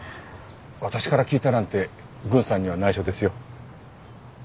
私から聞いたなんて郡さんには内緒ですよ。